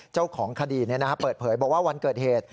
เจ้าของคดีเปิดเผยบอกว่าวันเกิดเหตุ